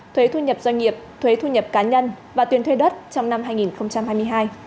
thuế thu nhập doanh nghiệp thuế thu nhập cá nhân